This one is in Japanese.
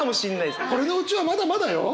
これのうちはまだまだよ！